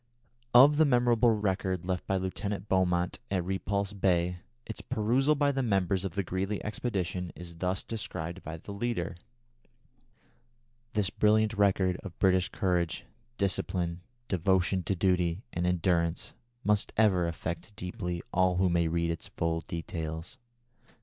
Of the memorable record left by Lieutenant Beaumont at Repulse Bay, its perusal by the members of the Greely expedition is thus described by the leader: "This brilliant record of British courage, discipline, devotion to duty and endurance, must ever affect deeply all who may read its full details.